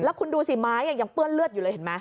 แล้วคุณดูสิไม้ยังเปื้อนเลือดอยู่เลยเห็นไหม